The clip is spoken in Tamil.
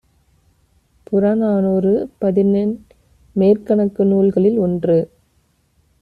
புறநானூறு பதினெண்மேற்கணக்கு நூல்களில் ஒன்று.